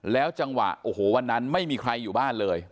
จังหวะโอ้โหวันนั้นไม่มีใครอยู่บ้านเลย